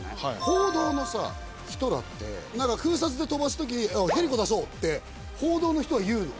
報道の人らって空撮で飛ばす時。って報道の人は言うの。